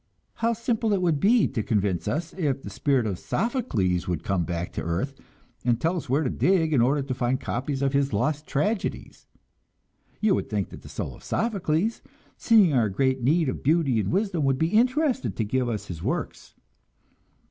How simple it would be to convince us, if the spirit of Sophocles would come back to earth and tell us where to dig in order to find copies of his lost tragedies! You would think that the soul of Sophocles, seeing our great need of beauty and wisdom, would be interested to give us his works!